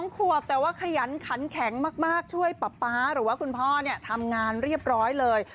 ๒ขวบแต่ว่าขยันขันแข็งมากช่วยป๊าป๊าหรือว่าคุณพ่อทำงานเรียบร้อยเลย